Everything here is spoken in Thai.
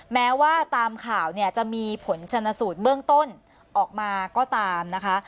แม้ว่าตามข่าวเนี่ยจะมีผลชนสูตรเบื้องต้นออกมาก็ตามนะคะ